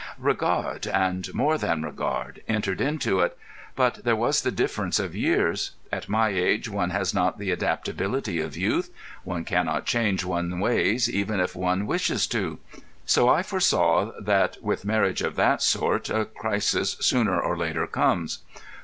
"Regard—and more than regard—entered into it. But there was the difference of years. At my age one has not the adaptability of youth; one cannot change one's ways, even if one wishes to. So I foresaw that with marriages of that sort a crisis sooner or later comes.